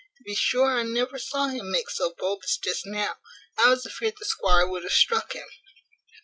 To be sure I never saw him make so bold as just now; I was afeard the squire would have struck him.